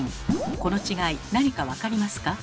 この違いなにか分かりますか？